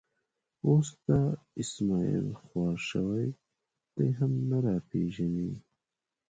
اوس دا اسمعیل خوار شوی، دی هم نه را پېژني.